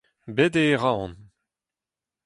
bet eo e Roazhon